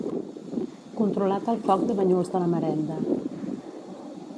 Controlat el foc de Banyuls de la Marenda.